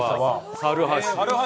猿橋。